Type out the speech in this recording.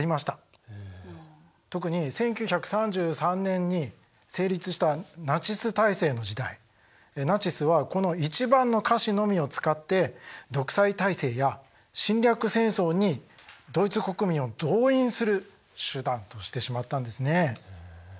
特に１９３３年に成立したナチス体制の時代ナチスはこの１番の歌詞のみを使って独裁体制や侵略戦争にドイツ国民を動員する手段としてしまったんですね。